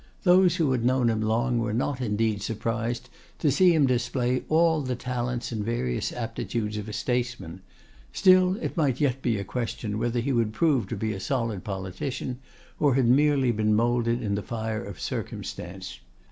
Those who had known him long were not indeed surprised to see him display all the talents and various aptitudes of a statesman; still it might yet be a question whether he would prove to be a solid politician, or had merely been moulded in the fire of circumstance.